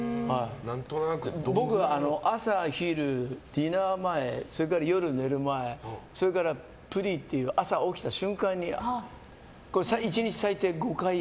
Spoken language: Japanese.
僕は、朝、昼、ディナー前それから夜寝る前、それから朝起きた瞬間に１日最低５回。